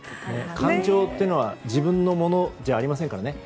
感情は自分のものじゃありませんからね。